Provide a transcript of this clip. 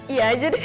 iya aja deh